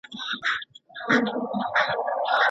څنګه ځايي بڼوال تور جلغوزي ترکیې ته لیږدوي؟